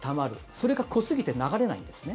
それが濃すぎて流れないんですね。